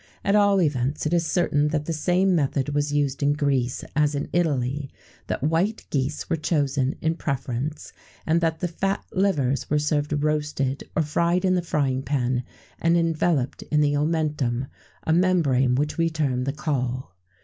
[XVII 69] At all events, it is certain that the same method was used in Greece as in Italy; that white geese were chosen in preference,[XVII 70] and that the fat livers were served roasted, or fried in the frying pan, and enveloped in the omentum, a membrane which we term the caul.